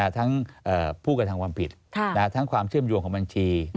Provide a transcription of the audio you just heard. ทั้งผู้กระทำความผิดทั้งความเชื่อมโยงของบัญชี